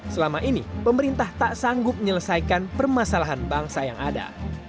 selama ini pemerintah tak sanggup menyelesaikan permasalahan bangsa yang ada